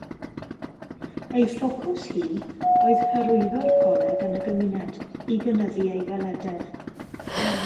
Ei ffocws hi oedd hyrwyddo'r coleg yn y gymuned i gynyddu ei welededd.